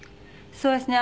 そうですね。